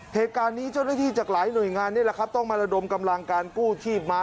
เหตุการณ์จ้าที่เหล้าที่จากหลายหน่วยงานต้องมาระดมกำลังการกู้ที่มา